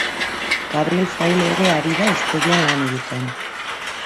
Gabriel Fraile ere ari da hiztegian lan egiten.